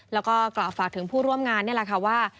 แล้วก็กล่าวฝากถึงผู้ร่วมงานนี่แหละค่ะว่า